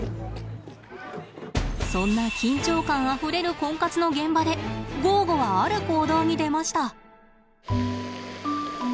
そんな緊張感あふれるコンカツの現場でゴーゴはある行動に出ました。